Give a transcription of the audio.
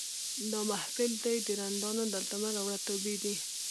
دا محفل دی د رندانو دلته مه راوړه توبې دي